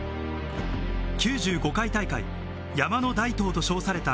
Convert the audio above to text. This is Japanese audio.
９５回大会、山の大東と称された